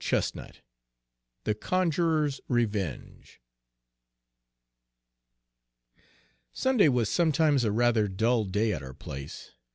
Page 103 THE CONJURER'S REVENGE SUNDAY was sometimes a rather dull day at our place.